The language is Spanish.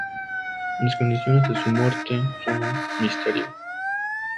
Las condiciones de su muerte son un misterio.